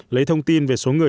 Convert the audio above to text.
lấy thông tin về số người